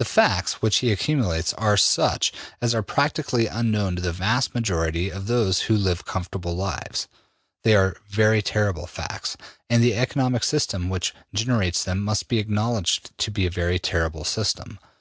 The facts which he accumulates are such as are practically unknown to the vast majority of those who live comfortable lives. They are very terrible facts, and the economic system which generates them must be acknowledged to be a very terrible system.